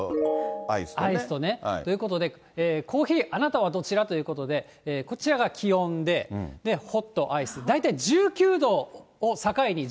アイスとね。ということでコーヒー、あなたはどちら？ということで、こちらが気温で、ホット、アイス。